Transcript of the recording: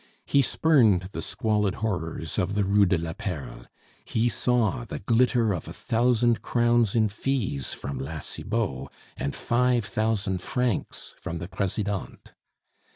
He spurned the squalid horrors of the Rue de la Perle. He saw the glitter of a thousand crowns in fees from La Cibot, and five thousand francs from the Presidente.